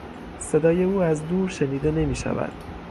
صدای او از دور شنیده نمیشود.